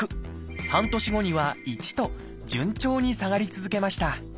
半年後には「１」と順調に下がり続けました。